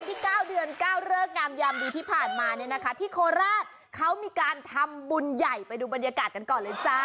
ที่๙เดือน๙เริกงามยามดีที่ผ่านมาเนี่ยนะคะที่โคราชเขามีการทำบุญใหญ่ไปดูบรรยากาศกันก่อนเลยจ้า